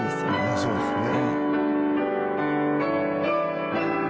そうですね。